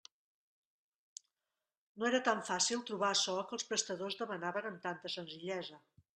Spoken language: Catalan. No era tan fàcil trobar açò que els prestadors demanaven amb tanta senzillesa.